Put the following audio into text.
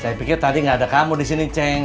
saya pikir tadi gak ada kamu disini ceng